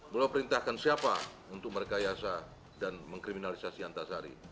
beliau perintahkan siapa untuk merekayasa dan mengkriminalisasi antasari